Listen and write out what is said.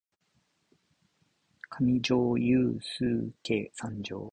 かみじょーゆーすーけ参上！